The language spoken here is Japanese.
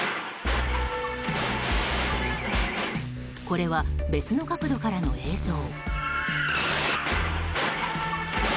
これは別の角度からの映像。